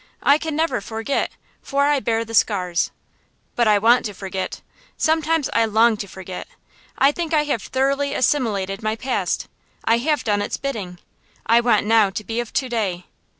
I can never forget, for I bear the scars. But I want to forget sometimes I long to forget. I think I have thoroughly assimilated my past I have done its bidding I want now to be of to day.